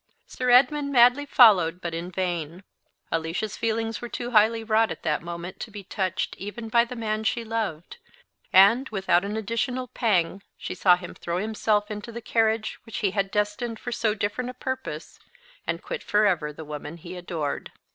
Sir Edmund madly followed, but in vain. Alicia's feelings were too highly wrought at that moment to be touched even by the man she loved; and, without an additional pang, she saw him throw himself into the carriage which he had destined for so different a purpose, and quit for ever the woman he adored.